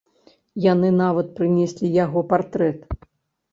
Яны нават прынеслі яго партрэт.